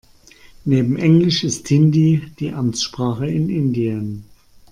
Neben englisch ist Hindi die Amtssprache in Indien.